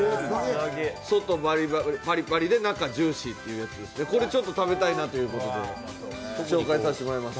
外パリパリで中ジューシーというやつでこれ、食べたいなということで紹介させてもらいます。